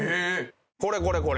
これこれこれ！